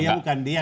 iya bukan dia